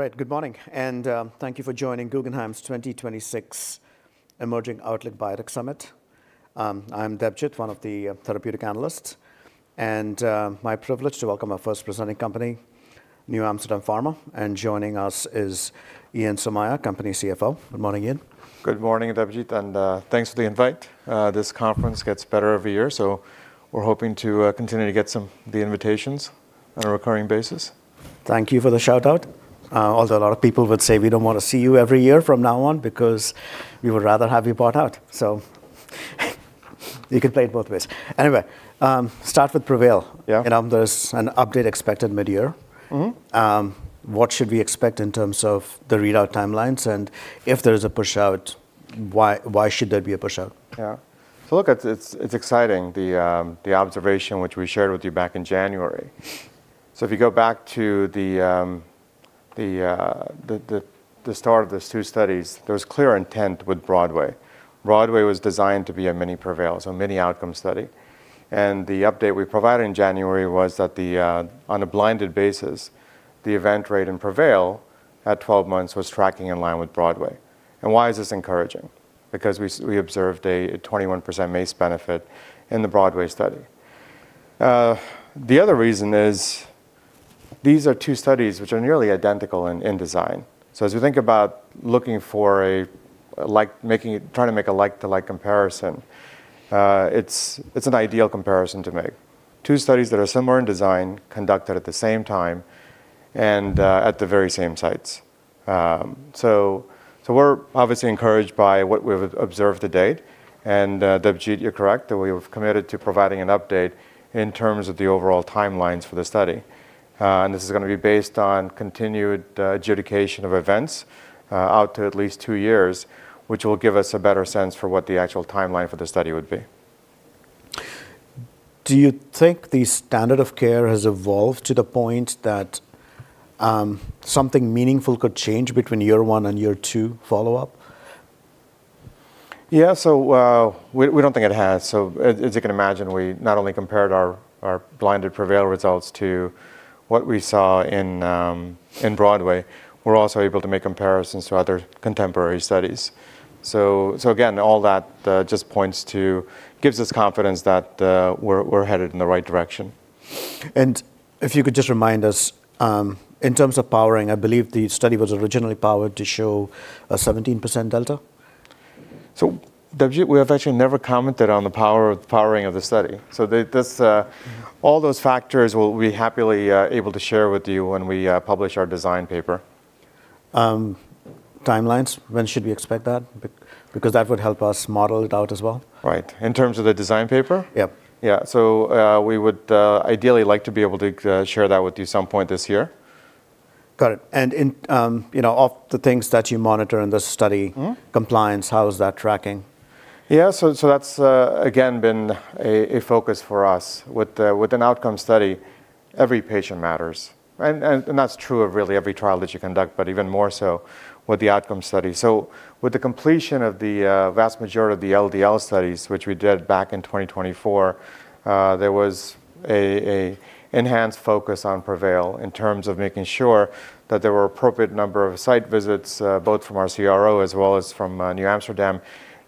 All right, good morning, and thank you for joining Guggenheim's 2026 Emerging Outlook Biotech Summit. I'm Debjit, one of the therapeutic analysts, and my privilege to welcome our first presenting company, NewAmsterdam Pharma. Joining us is Ian Somaiya, company CFO. Good morning, Ian. Good morning, Debjit, and, thanks for the invite. This conference gets better every year, so we're hoping to continue to get the invitations on a recurring basis. Thank you for the shout-out. Although a lot of people would say, "We don't wanna see you every year from now on, because we would rather have you bought out." So you could play it both ways. Anyway, start with PREVAIL. Yeah. You know, there's an update expected mid-year. Mm-hmm. What should we expect in terms of the readout timelines, and if there is a push-out, why, why should there be a push-out? Yeah. So look, it's exciting, the observation which we shared with you back in January. So if you go back to the start of these two studies, there's clear intent with BROADWAY. BROADWAY was designed to be a mini PREVAIL, so a mini outcome study, and the update we provided in January was that on a blinded basis, the event rate in PREVAIL at 12 months was tracking in line with BROADWAY. And why is this encouraging? Because we observed a 21% MACE benefit in the BROADWAY study. The other reason is, these are two studies which are nearly identical in design. So as you think about looking for a like making it... trying to make a like-to-like comparison, it's an ideal comparison to make. Two studies that are similar in design, conducted at the same time, and at the very same sites. So we're obviously encouraged by what we've observed to date, and, Debjit, you're correct, that we have committed to providing an update in terms of the overall timelines for the study. And this is gonna be based on continued adjudication of events out to at least two years, which will give us a better sense for what the actual timeline for the study would be. Do you think the standard of care has evolved to the point that, something meaningful could change between year one and year two follow-up? Yeah, so we don't think it has. So as you can imagine, we not only compared our blinded PREVAIL results to what we saw in BROADWAY, we're also able to make comparisons to other contemporary studies. So again, all that just points to... gives us confidence that we're headed in the right direction. If you could just remind us, in terms of powering, I believe the study was originally powered to show a 17% delta? So, Debjit, we have actually never commented on the power- the powering of the study. So the, this, all those factors we'll be happily able to share with you when we publish our design paper. Timelines, when should we expect that? Because that would help us model it out as well. Right. In terms of the design paper? Yep. Yeah. So, we would ideally like to be able to share that with you at some point this year. Got it, and in, you know, of the things that you monitor in the study- Mm-hmm... compliance, how is that tracking? Yeah, so that's again been a focus for us. With an outcome study, every patient matters, right? And that's true of really every trial that you conduct, but even more so with the outcome study. So with the completion of the vast majority of the LDL studies, which we did back in 2024, there was an enhanced focus on PREVAIL in terms of making sure that there were appropriate number of site visits, both from our CRO as well as from NewAmsterdam,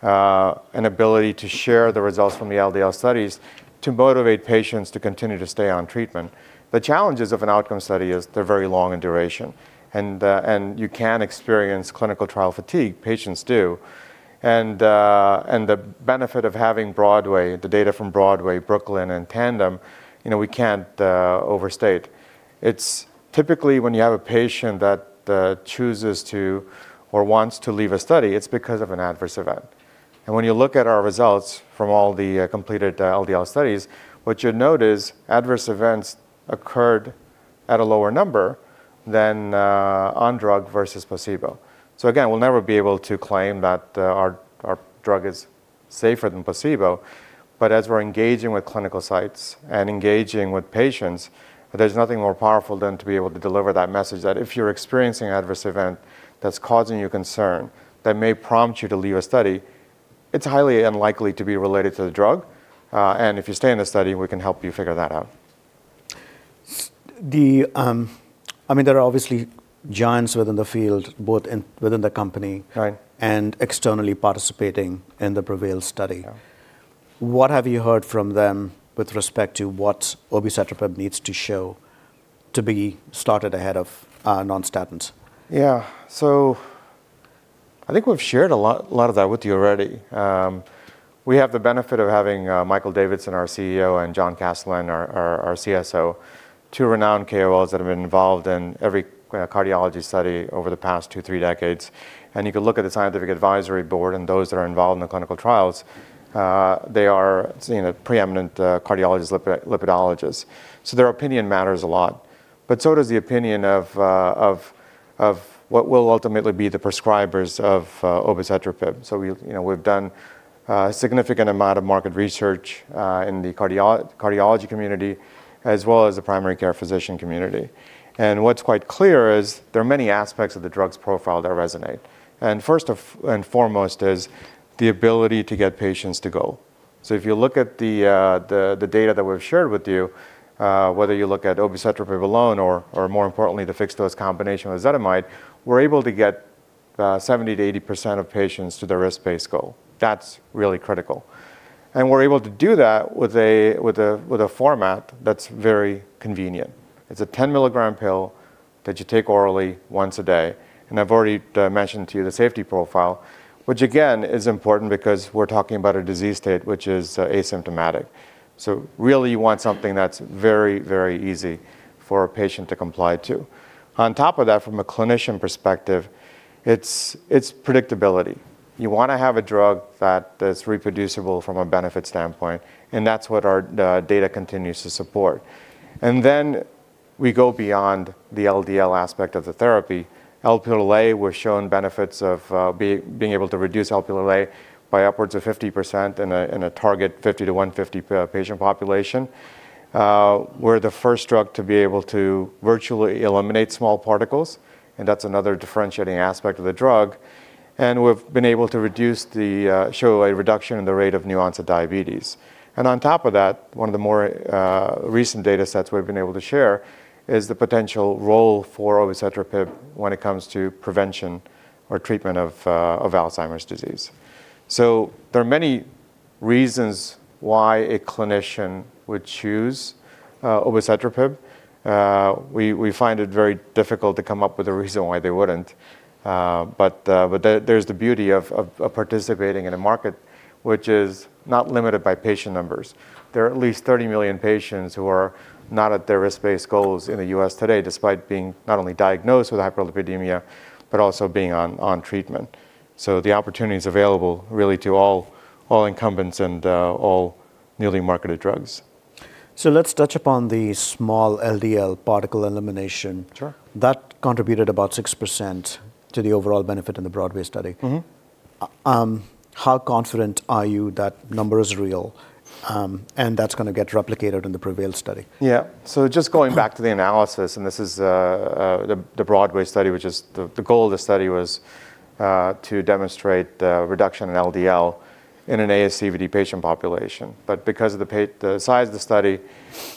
an ability to share the results from the LDL studies to motivate patients to continue to stay on treatment. The challenges of an outcome study is they're very long in duration, and you can experience clinical trial fatigue, patients do. And the benefit of having BROADWAY, the data from BROADWAY, BROOKLYN and TANDEM, you know, we can't overstate. It's typically when you have a patient that chooses to or wants to leave a study, it's because of an adverse event. And when you look at our results from all the completed LDL studies, what you'll note is adverse events occurred at a lower number than on drug versus placebo. So again, we'll never be able to claim that our drug is safer than placebo, but as we're engaging with clinical sites and engaging with patients, there's nothing more powerful than to be able to deliver that message that if you're experiencing an adverse event that's causing you concern, that may prompt you to leave a study, it's highly unlikely to be related to the drug, and if you stay in the study, we can help you figure that out. So, the I mean, there are obviously giants within the field, both within the company and externally participating in the PREVAIL study. Yeah. What have you heard from them with respect to what obicetrapib needs to show to be started ahead of non-statins? Yeah. So I think we've shared a lot, a lot of that with you already. We have the benefit of having Michael Davidson, our CEO, and John Kastelein, our CSO, two renowned KOLs that have been involved in every cardiology study over the past two, three decades. And you can look at the scientific advisory board and those that are involved in the clinical trials. They are, you know, pre-eminent cardiologists, lipidologists. So their opinion matters a lot, but so does the opinion of what will ultimately be the prescribers of obicetrapib. So we, you know, we've done a significant amount of market research in the cardiology community, as well as the primary care physician community. And what's quite clear is, there are many aspects of the drug's profile that resonate. First off and foremost is the ability to get patients to go. So if you look at the data that we've shared with you, whether you look at obicetrapib alone or, more importantly, the fixed-dose combination with ezetimibe, we're able to get 70%-80% of patients to their risk-based goal. That's really critical. And we're able to do that with a format that's very convenient. It's a 10-mg pill that you take orally once a day, and I've already mentioned to you the safety profile, which, again, is important because we're talking about a disease state which is asymptomatic. So really, you want something that's very, very easy for a patient to comply to. On top of that, from a clinician perspective, it's predictability. You wanna have a drug that, that's reproducible from a benefit standpoint, and that's what our data continues to support. Then we go beyond the LDL aspect of the therapy. Lp(a) was shown benefits of being able to reduce Lp(a) by upwards of 50% in a target 50 to 150 patient population. We're the first drug to be able to virtually eliminate small particles, and that's another differentiating aspect of the drug, and we've been able to show a reduction in the rate of incidence of diabetes. On top of that, one of the more recent data sets we've been able to share is the potential role for obicetrapib when it comes to prevention or treatment of Alzheimer's disease. So there are many reasons why a clinician would choose obicetrapib. We find it very difficult to come up with a reason why they wouldn't. But there, there's the beauty of participating in a market which is not limited by patient numbers. There are at least 30 million patients who are not at their risk-based goals in the U.S. today, despite being not only diagnosed with hyperlipidemia but also being on treatment. So the opportunity is available really to all incumbents and all newly marketed drugs. Let's touch upon the small LDL particle elimination. Sure. That contributed about 6% to the overall benefit in the BROADWAY study. How confident are you that number is real, and that's gonna get replicated in the PREVAIL study? Yeah. So just going back to the analysis, and this is the BROADWAY study. The goal of the study was to demonstrate the reduction in LDL in an ASCVD patient population. But because of the size of the study,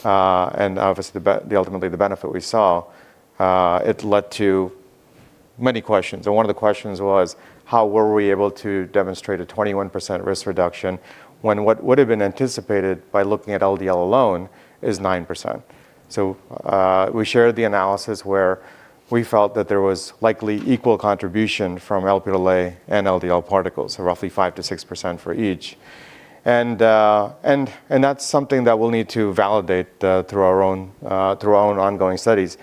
and obviously, ultimately, the benefit we saw, it led to many questions. And one of the questions was: How were we able to demonstrate a 21% risk reduction when what would have been anticipated by looking at LDL alone is 9%? So, we shared the analysis where we felt that there was likely equal contribution from Lp(a) and LDL particles, so roughly 5%-6% for each. And that's something that we'll need to validate through our own ongoing studies.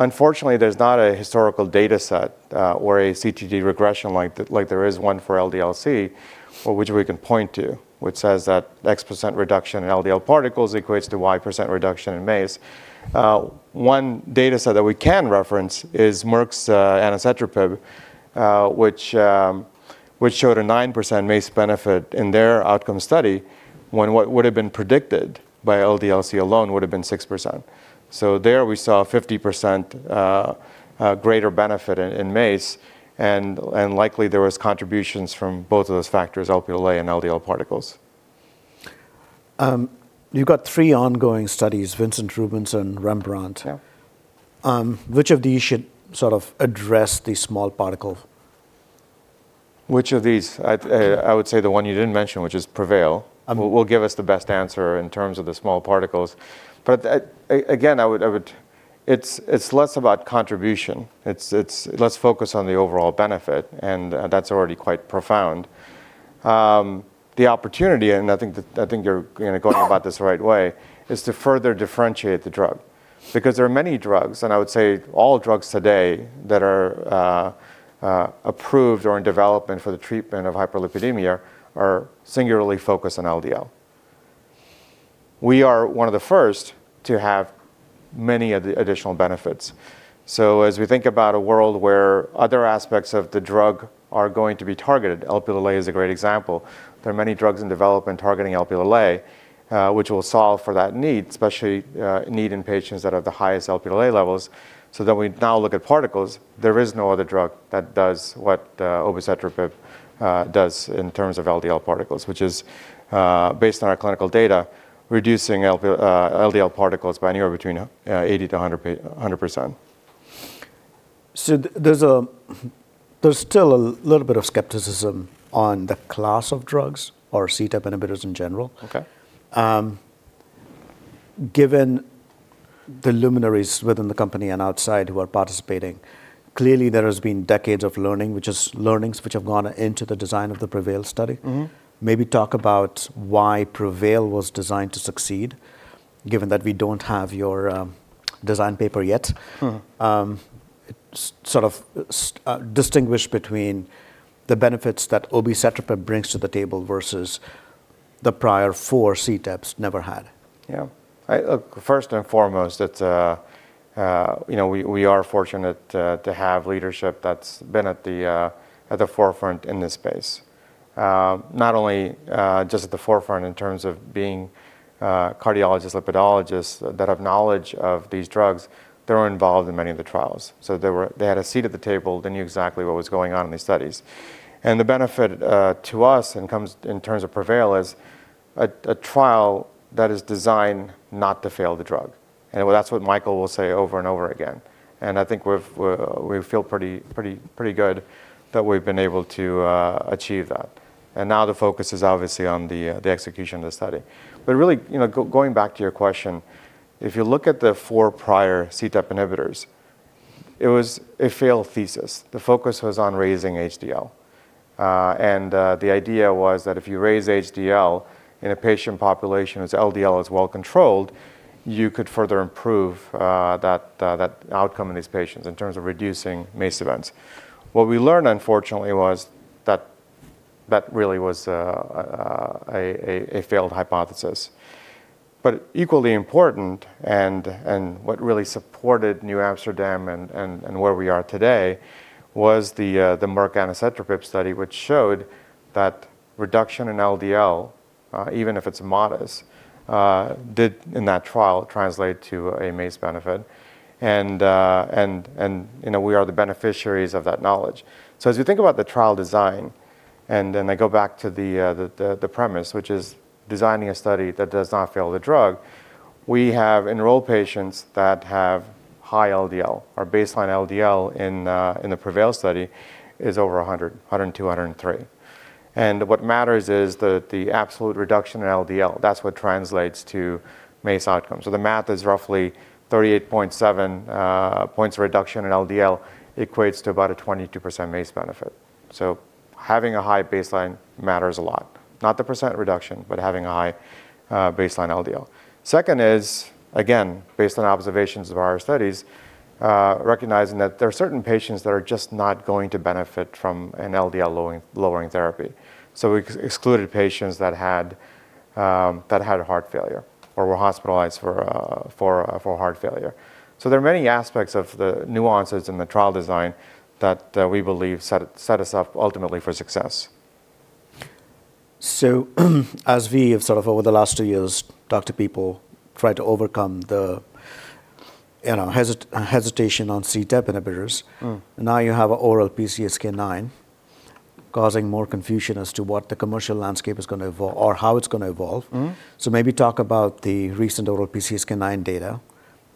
Unfortunately, there's not a historical data set, or a CTT regression like there is one for LDL-C, for which we can point to, which says that X% reduction in LDL particles equates to Y% reduction in MACE. One data set that we can reference is Merck's anacetrapib, which showed a 9% MACE benefit in their outcome study, when what would have been predicted by LDL-C alone would have been 6%. So there we saw a 50% greater benefit in MACE, and likely there was contributions from both of those factors, Lp(a) and LDL particles. You've got three ongoing studies, VINCENT, RUBENS, and REMBRANDT. Yeah. Which of these should sort of address the small particle? Which of these? I would say the one you didn't mention, which is PREVAIL will give us the best answer in terms of the small particles. But again, I would. It's less about contribution. It's less focus on the overall benefit, and that's already quite profound. The opportunity, and I think that you're, you know, going about this the right way, is to further differentiate the drug because there are many drugs, and I would say all drugs today that are approved or in development for the treatment of hyperlipidemia are singularly focused on LDL. We are one of the first to have many of the additional benefits. So as we think about a world where other aspects of the drug are going to be targeted, Lp(a) is a great example. There are many drugs in development targeting Lp(a), which will solve for that need, especially need in patients that have the highest Lp(a) levels, so that we now look at particles. There is no other drug that does what obicetrapib does in terms of LDL particles, which is based on our clinical data, reducing LDL LDL particles by anywhere between 80%-100%. There's still a little bit of skepticism on the class of drugs or CETP inhibitors in general. Okay. Given the luminaries within the company and outside who are participating, clearly there has been decades of learning, which is learnings which have gone into the design of the PREVAIL study. Maybe talk about why PREVAIL was designed to succeed, given that we don't have your, design paper yet. Sort of, distinguish between the benefits that obicetrapib brings to the table versus the prior four CETPs never had. Yeah. I first and foremost, it's. You know, we are fortunate to have leadership that's been at the forefront in this space. Not only just at the forefront in terms of being cardiologists, lipidologists that have knowledge of these drugs, they were involved in many of the trials. So they had a seat at the table. They knew exactly what was going on in these studies. And the benefit to us and comes in terms of PREVAIL is a trial that is designed not to fail the drug, and well, that's what Michael will say over and over again. And I think we feel pretty good that we've been able to achieve that. And now the focus is obviously on the execution of the study. But really, you know, going back to your question, if you look at the four prior CETP inhibitors, it was a failed thesis. The focus was on raising HDL. And the idea was that if you raise HDL in a patient population whose LDL is well controlled, you could further improve that outcome in these patients in terms of reducing MACE events. What we learned, unfortunately, was that that really was a failed hypothesis. But equally important, and what really supported NewAmsterdam and where we are today, was the Merck anacetrapib study, which showed that reduction in LDL, even if it's modest, did, in that trial, translate to a MACE benefit. And, you know, we are the beneficiaries of that knowledge. So as you think about the trial design, and then I go back to the premise, which is designing a study that does not fail the drug, we have enrolled patients that have high LDL. Our baseline LDL in the PREVAIL study is over 100, 102, 103. And what matters is the absolute reduction in LDL. That's what translates to MACE outcomes. So the math is roughly 38.7 points of reduction in LDL equates to about a 22% MACE benefit. So having a high baseline matters a lot. Not the percent reduction, but having a high baseline LDL. Second is, again, based on observations of our studies, recognizing that there are certain patients that are just not going to benefit from an LDL lowering therapy. So we excluded patients that had heart failure or were hospitalized for heart failure. So there are many aspects of the nuances in the trial design that we believe set us up ultimately for success. So, as we have sort of over the last two years, talked to people, tried to overcome the, you know, hesitation on CETP inhibitors, now you have an oral PCSK9, causing more confusion as to what the commercial landscape is going to evolve or how it's going to evolve. Mm-hmm. So maybe talk about the recent oral PCSK9 data,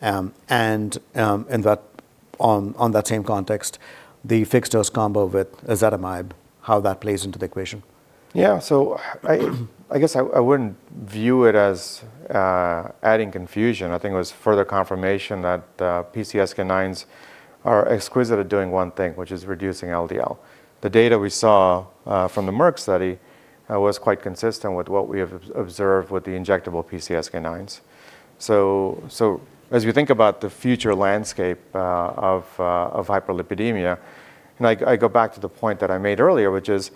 and that, on that same context, the fixed-dose combo with ezetimibe, how that plays into the equation. Yeah. So I guess I wouldn't view it as adding confusion. I think it was further confirmation that PCSK9s are exquisite at doing one thing, which is reducing LDL. The data we saw from the Merck study was quite consistent with what we have observed with the injectable PCSK9s. So as you think about the future landscape of hyperlipidemia, and I go back to the point that I made earlier, which is,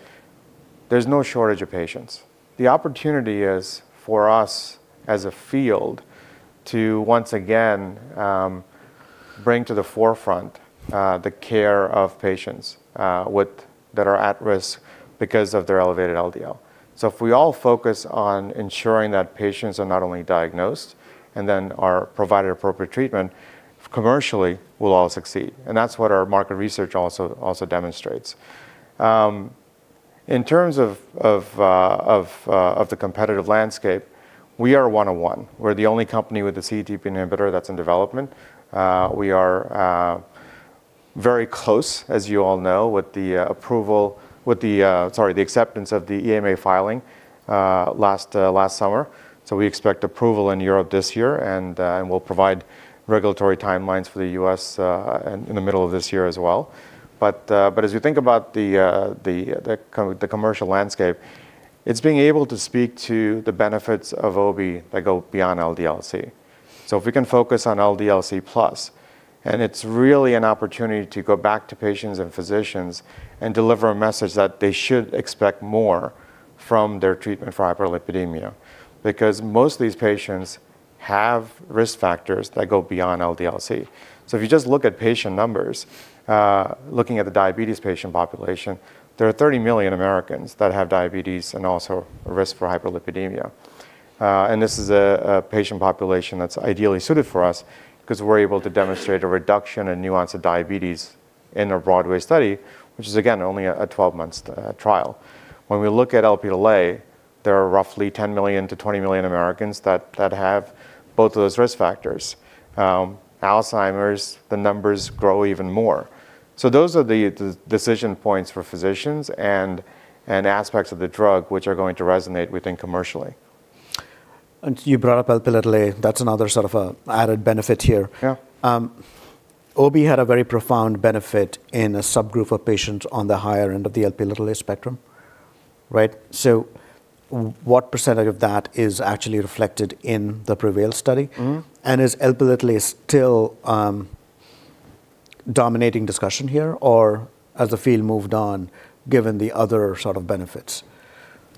there's no shortage of patients. The opportunity is for us, as a field, to once again bring to the forefront the care of patients with that are at risk because of their elevated LDL. So if we all focus on ensuring that patients are not only diagnosed and then are provided appropriate treatment, commercially, we'll all succeed, and that's what our market research also demonstrates. In terms of the competitive landscape, we are one-on-one. We're the only company with a CETP inhibitor that's in development. We are very close, as you all know, with the, sorry, the acceptance of the EMA filing last summer. So we expect approval in Europe this year, and we'll provide regulatory timelines for the U.S. in the middle of this year as well. But as you think about the commercial landscape, it's being able to speak to the benefits of obicetrapib that go beyond LDL-C. So if we can focus on LDL-C plus, and it's really an opportunity to go back to patients and physicians and deliver a message that they should expect more from their treatment for hyperlipidemia, because most of these patients have risk factors that go beyond LDL-C. So if you just look at patient numbers, looking at the diabetes patient population, there are 30 million Americans that have diabetes and also a risk for hyperlipidemia. And this is a patient population that's ideally suited for us because we're able to demonstrate a reduction and nuance of diabetes in our BROADWAY study, which is, again, only a 12-month trial. When we look at Lp(a), there are roughly 10 million-20 million Americans that have both of those risk factors. Alzheimer's, the numbers grow even more. Those are the decision points for physicians and aspects of the drug, which are going to resonate, we think, commercially. You brought up Lp(a), that's another sort of a added benefit here. Yeah. Obey had a very profound benefit in a subgroup of patients on the higher end of the Lp(a) spectrum, right? So what percentage of that is actually reflected in the PREVAIL study? Mm-hmm. Is Lp(a) still dominating discussion here, or has the field moved on, given the other sort of benefits?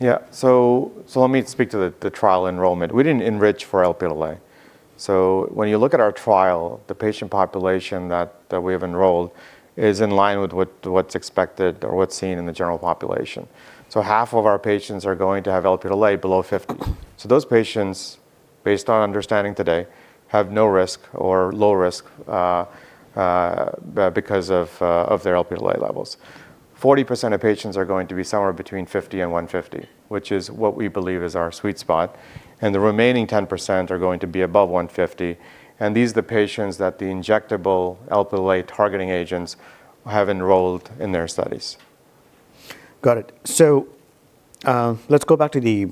Yeah. So, so let me speak to the trial enrollment. We didn't enrich for Lp(a). So when you look at our trial, the patient population that we have enrolled is in line with what's expected or what's seen in the general population. So half of our patients are going to have Lp(a) below 50. So those patients, based on our understanding today, have no risk or low risk because of their Lp(a) levels. Forty percent of patients are going to be somewhere between 50 and 150, which is what we believe is our sweet spot, and the remaining 10% are going to be above 150, and these are the patients that the injectable Lp(a) targeting agents have enrolled in their studies. Got it. So, let's go back to the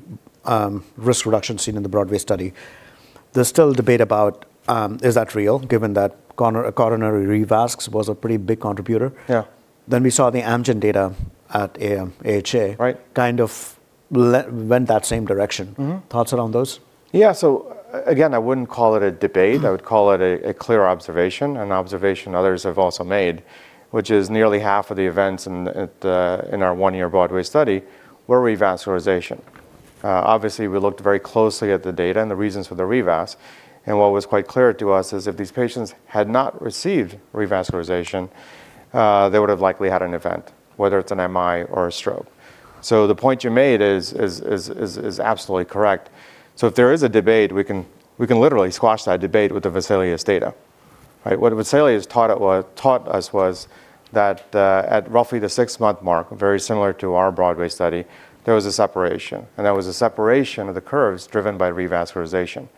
risk reduction seen in the BROADWAY study. There's still debate about, is that real, given that coronary revascs was a pretty big contributor? Yeah. Then we saw the Amgen data at AM, AHA- Right. kind of went that same direction. Mm-hmm. Thoughts around those? Yeah, so again, I wouldn't call it a debate. Mm. I would call it a clear observation, an observation others have also made, which is nearly half of the events in our one-year BROADWAY study were revascularization. Obviously, we looked very closely at the data and the reasons for the revasc, and what was quite clear to us is if these patients had not received revascularization, they would have likely had an event, whether it's an MI or a stroke. So the point you made is absolutely correct. So if there is a debate, we can literally squash that debate with the VESALIUS-CV data, right? What VESALIUS-CV taught us was that, at roughly the six-month mark, very similar to our BROADWAY study, there was a separation, and that was a separation of the curves driven by revascularization.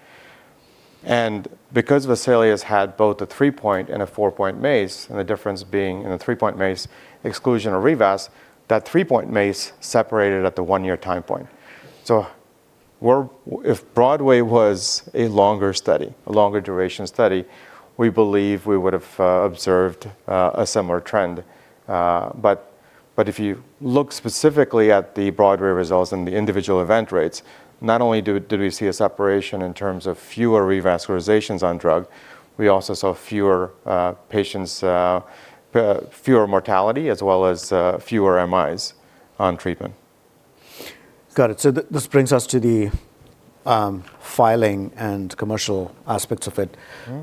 And because VESALIUS-CV had both a three-point and a four-point MACE, and the difference being in the three-point MACE, exclusion of revasc, that three-point MACE separated at the one-year time point. So, if BROADWAY was a longer study, a longer duration study, we believe we would've observed a similar trend. But, if you look specifically at the BROADWAY results and the individual event rates, not only do, did we see a separation in terms of fewer revascularizations on drug, we also saw fewer patients, fewer mortality as well as fewer MIs on treatment. Got it. So this brings us to the filing and commercial aspects of it. Mm-hmm.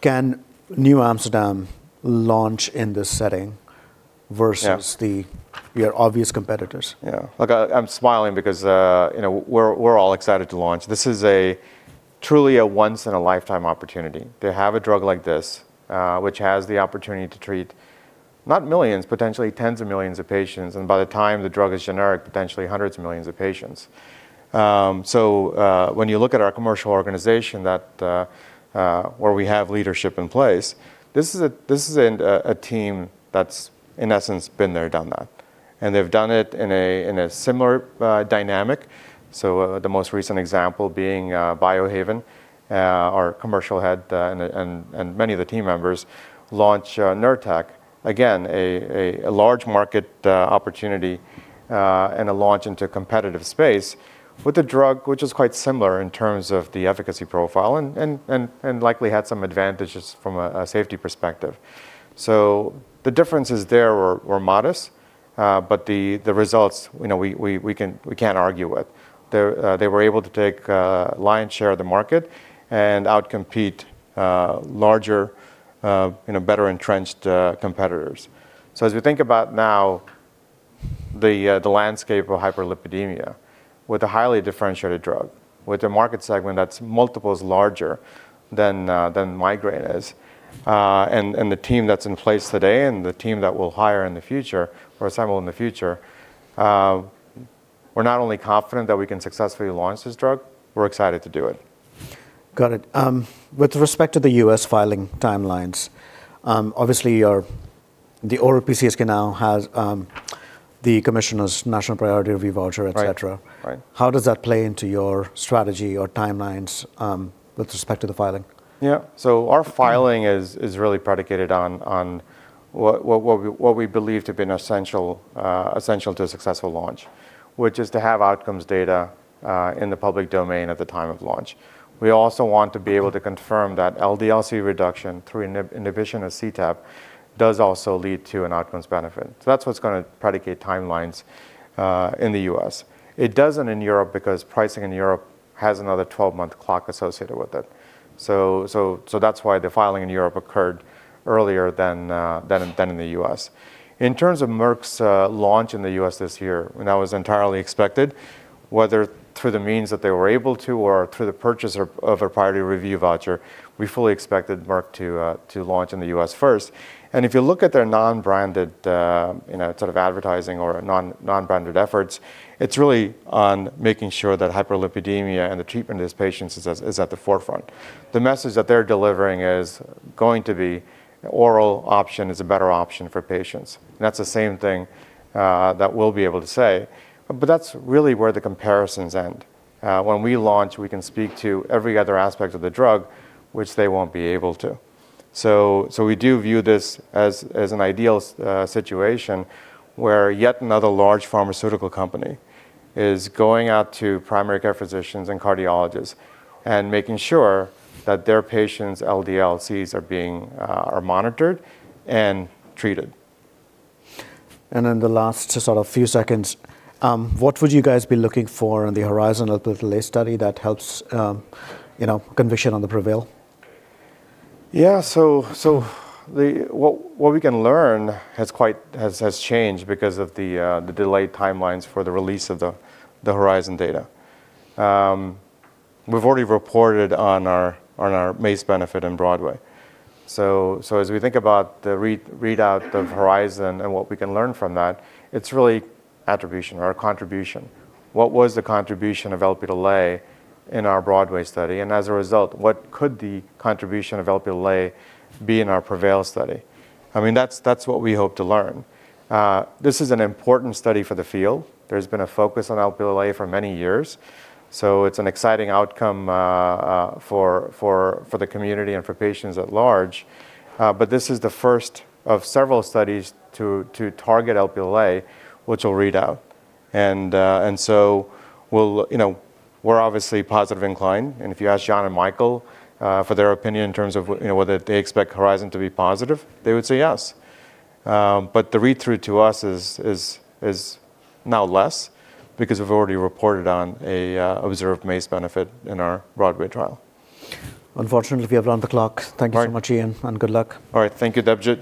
Can New Amsterdam launch in this setting? Yeah versus your obvious competitors? Yeah. Look, I, I'm smiling because, you know, we're, we're all excited to launch. This is truly a once-in-a-lifetime opportunity to have a drug like this, which has the opportunity to treat, not millions, potentially tens of millions of patients, and by the time the drug is generic, potentially hundreds of millions of patients. So, when you look at our commercial organization, that, where we have leadership in place, this is a team that's, in essence, been there, done that, and they've done it in a similar dynamic. So, the most recent example being, Biohaven, our commercial head, and many of the team members launch, Nurtec. Again, a large market opportunity, and a launch into competitive space with a drug which is quite similar in terms of the efficacy profile and likely had some advantages from a safety perspective. So the differences there were modest, but the results, you know, we can't argue with. They're they were able to take lion's share of the market and outcompete larger, you know, better entrenched competitors. So as we think about now the landscape of hyperlipidemia with a highly differentiated drug, with a market segment that's multiples larger than migraine is, and the team that's in place today and the team that we'll hire in the future, or assemble in the future, we're not only confident that we can successfully launch this drug, we're excited to do it. Got it. With respect to the U.S. filing timelines, obviously, your- the oral PCSK9 has, the Commissioner's National Priority Review Voucher- Right... et cetera. Right. How does that play into your strategy or timelines, with respect to the filing? Yeah. So our filing is really predicated on what we believe to be an essential to a successful launch, which is to have outcomes data in the public domain at the time of launch. We also want to be able to confirm that LDL-C reduction through inhibition of CETP does also lead to an outcomes benefit. So that's what's gonna predicate timelines in the U.S. It doesn't in Europe, because pricing in Europe has another 12-month clock associated with it. So that's why the filing in Europe occurred earlier than in the US. In terms of Merck's launch in the U.S. this year, and that was entirely expected, whether through the means that they were able to or through the purchase of, of a priority review voucher, we fully expected Merck to, to launch in the U.S. first. And if you look at their non-branded, you know, sort of advertising or non, non-branded efforts, it's really on making sure that hyperlipidemia and the treatment of these patients is at, is at the forefront. The message that they're delivering is going to be: oral option is a better option for patients. That's the same thing, that we'll be able to say, but that's really where the comparisons end. When we launch, we can speak to every other aspect of the drug, which they won't be able to. So we do view this as an ideal situation, where yet another large pharmaceutical company is going out to primary care physicians and cardiologists and making sure that their patients' LDL-Cs are being monitored and treated. In the last just sort of few seconds, what would you guys be looking for in the HORIZON, the Lp(a) study that helps, you know, conviction on the PREVAIL? Yeah. What we can learn has changed because of the delayed timelines for the release of the HORIZON data. We've already reported on our MACE benefit in BROADWAY. So as we think about the readout of HORIZON and what we can learn from that, it's really attribution or contribution. What was the contribution of Lp(a) in our BROADWAY study? And as a result, what could the contribution of Lp(a) be in our PREVAIL study? I mean, that's what we hope to learn. This is an important study for the field. There's been a focus on Lp(a) for many years, so it's an exciting outcome for the community and for patients at large. But this is the first of several studies to target Lp(a), which will read out. And so we'll... You know, we're obviously positive inclined, and if you ask John and Michael for their opinion in terms of you know, whether they expect HORIZON to be positive, they would say yes. But the read-through to us is now less because we've already reported on a observed MACE benefit in our BROADWAY trial. Unfortunately, we have run the clock. All right. Thank you very much, Ian, and good luck. All right. Thank you, Debjit.